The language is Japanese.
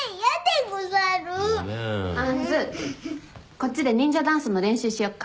こっちで忍者ダンスの練習しよっか。